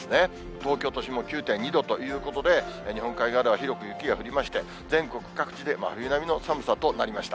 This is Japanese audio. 東京都心も９．２度ということで、日本海側では広く雪が降りまして、全国各地で真冬並みの寒さとなりました。